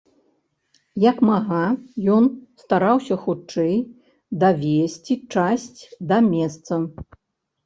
Як мага ён стараўся хутчэй давезці часць да месца.